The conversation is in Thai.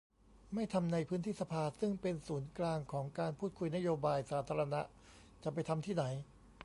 ไม่ทำในพื้นที่สภาซึ่งเป็นศูนย์กลางของการพูดคุยนโยบายสาธารณะ จะไปทำที่ไหน